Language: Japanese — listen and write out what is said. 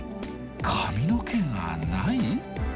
髪の毛がない？